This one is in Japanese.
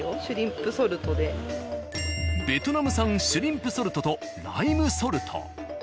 ベトナム産シュリンプソルトとライムソルト。